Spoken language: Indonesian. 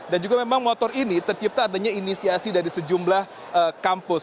dan juga memang motor ini tercipta adanya inisiasi dari sejumlah kampus